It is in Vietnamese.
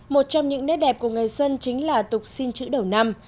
một trong những nét đẹp của ngày xuân chính là tục xin chữ đầu năm